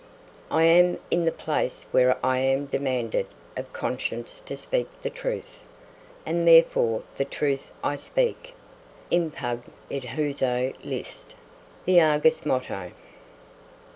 "I am in the place where I am demanded of conscience to speak the truth, and therefore the truth I speak, impugn it whoso list." "The Argus" motto.